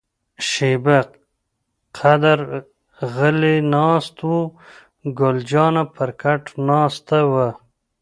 شیبه قدر غلي ناست وو، ګل جانه پر کټ ناسته وه.